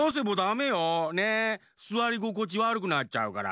すわりごこちわるくなっちゃうから。